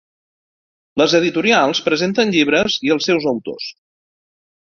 Les editorials presenten llibres i els seus autors.